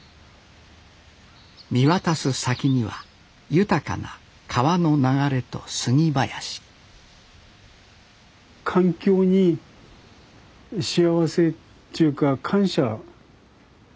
見渡す先には豊かな川の流れと杉林環境に幸せっちゅうか感謝の気持ち持ってやってる。